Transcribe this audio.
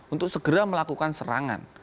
untuk segera melakukan serangan